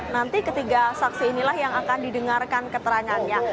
nanti ketiga saksi inilah yang akan didengarkan keterangannya